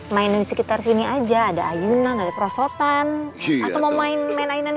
main main sekitar sini aja ada ayunan ada prosotan